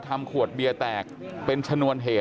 แต่ว่าวินนิสัยดุเสียงดังอะไรเป็นเรื่องปกติอยู่แล้วครับ